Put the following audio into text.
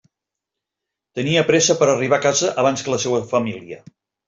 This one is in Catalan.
Tenia pressa per arribar a casa abans que la seua família.